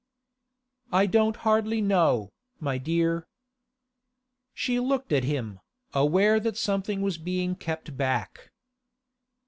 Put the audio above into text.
'I don't hardly know, my dear.' She looked at him, aware that something was being kept back.